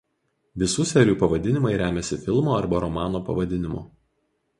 Visų serijų pavadinimai remiasi filmo arba romano pavadinimu.